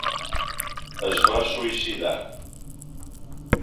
Es va suïcidar.